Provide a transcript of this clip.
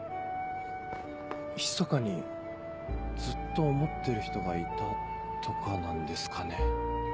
ひそかにずっと思ってる人がいたとかなんですかね。